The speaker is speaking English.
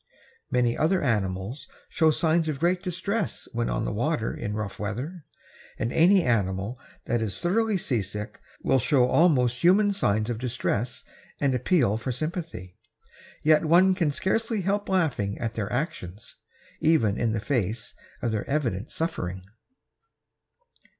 Many other animals show signs of great distress when on the water in rough weather, and any animal that is thoroughly seasick will show almost human signs of distress and appeal for sympathy, yet one can scarcely help laughing at their actions, even in the face of their evident suffering.